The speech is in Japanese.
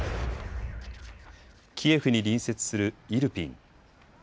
キエフに隣接するイルピン。